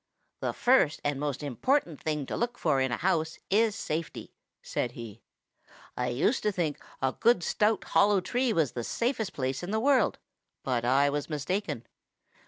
"The first and most important thing to look for in a house is safety," said he. "I used to think a good stout hollow tree was the safest place in the world, but I was mistaken.